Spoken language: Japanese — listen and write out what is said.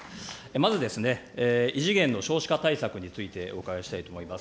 まず異次元の少子化対策についてお伺いしたいと思います。